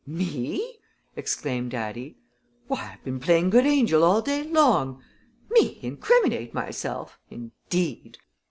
"Me!" exclaimed Addie. "Why, I've been playing good angel all day long me incriminate myself, indeed!